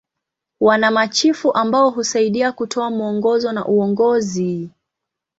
Wana machifu ambao husaidia kutoa mwongozo na uongozi.